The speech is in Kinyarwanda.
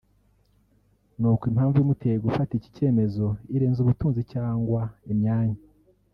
ni uko impamvu imuteye gufata iki cyemezo irenze ubutunzi cyangwa imyanya